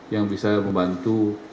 yang bisa membantu